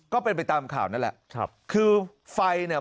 ก็เป็นไปตามข่าวนั่นแหละครับคือไฟเนี่ย